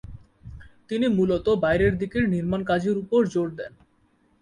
তিনি মূলত বাইরের দিকের নির্মাণ কাজের উপর জোর দেন।